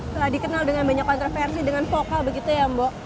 telah dikenal dengan banyak kontroversi dengan vokal begitu ya mbak